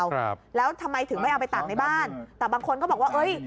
ครับแล้วทำไมถึงไม่เอาไปตากในบ้านแต่บางคนก็บอกว่าเอ้ย